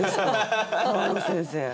川野先生。